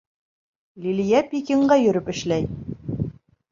Лилиә Пекинға йөрөп эшләй.